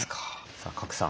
さあ賀来さん